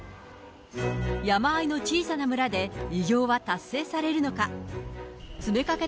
山あいの小さな村で、偉業は達成されるのか。